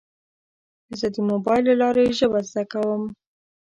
زه د موبایل له لارې ژبه زده کوم.